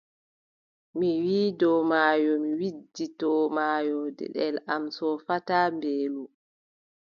Mi widdoo maayo, mi widditoo maayo, deɗel am soofataa, mbeelu !